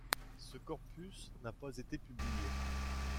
Ce corpus n'a pas été publié.